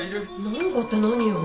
なんかって何よ